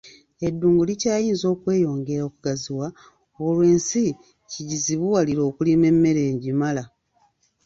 Eddungu likyayinza okweyongera okugaziwa olwo ensi kigizibuwalire okulima emmere egimala